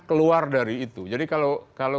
keluar dari itu jadi kalau